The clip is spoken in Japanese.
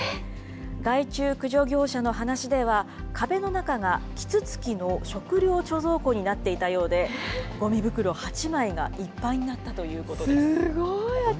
害虫駆除業者の話では、壁の中がキツツキの食料貯蔵庫になっていたようで、ごみ袋８枚がいっぱいになったということです。